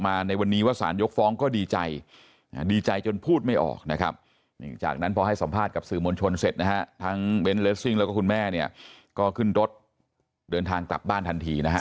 แล้วก็คุณแม่เนี่ยก็ขึ้นรถเดินทางตับบ้านทันทีนะครับ